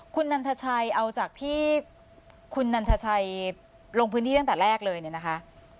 คุณนันทชัยเอาจากที่คุณนันทชัยลงพื้นที่ตั้งแต่แรกเลยเนี่ยนะคะ